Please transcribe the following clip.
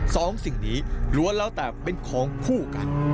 สองสิ่งนี้ล้วนแล้วแต่เป็นของคู่กัน